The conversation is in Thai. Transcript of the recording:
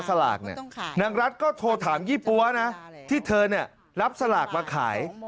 สลักเนี่ยนางรัฐก็โทรถามยี่ปั๊วนะที่เธอเนี่ยรับสลักมาขาย